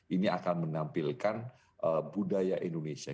ini akan menampilkan budaya indonesia